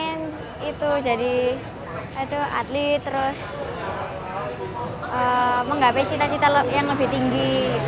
saya ingin menjadi seorang atlet dan mencapai cita cita yang lebih tinggi